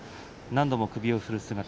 何度も首を振る姿。